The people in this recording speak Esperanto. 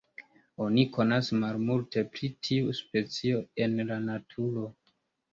Oni konas malmulte pri tiu specio en la naturo.